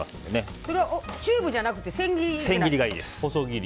それはチューブじゃなくて千切り？